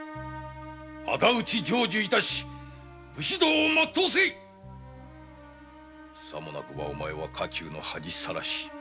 敵討ちを成就致し武士道を全うせいさもなくばお前は家中の恥さらし。